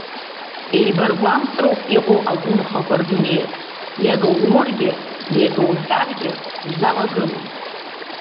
Еибаргәамҵроуп иҟоу агәымхақәа рдунеиаҿ, иага уургьы, иага уҳәаргьы узалагылом.